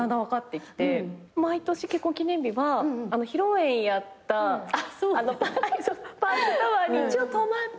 毎年結婚記念日は披露宴やったパークタワーに一応泊まって。